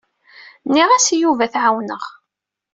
Nniɣ-as i Yuba ad t-ɛawneɣ.